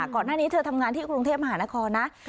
ก่อนหน้านี้เธอทำงานที่กรุงเทพมหานครนะ